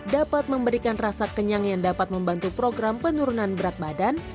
dapat memberikan rasa kenyang yang dapat membantu program penurunan berat badan